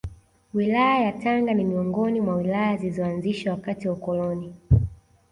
Wilaya yaTanga ni miongoni mwa Wilaya zilizoanzishwa wakati wa ukoloni